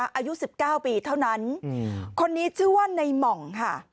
อายุ๑๙ปีเท่านั้นคนนี้ชื่อว่าในหม่องค่ะ